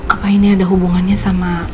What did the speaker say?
apa ini ada hubungannya sama